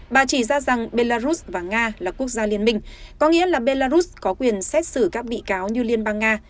bà chỉ ra rằng belarus và nga là quốc gia liên minh có nghĩa là belarus có quyền xét xử các bị cáo như liên bang nga